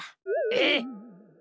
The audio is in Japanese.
えっ！？